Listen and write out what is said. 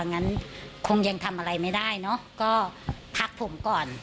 งั้นคงยังทำอะไรไม่ได้เนอะก็พักผมก่อน